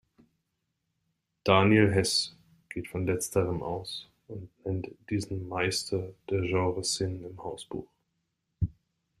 Daniel Hess geht von letzterem aus und nennt diesen „Meister der Genreszenen im Hausbuch“.